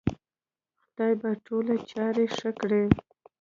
خدای به ټولې چارې ښې کړې